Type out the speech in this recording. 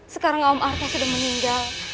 sekarang om artho sudah meninggal